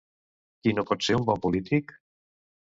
Qui no pot ser un bon polític?